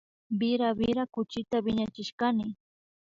Wira wira kuchita wiñachishkani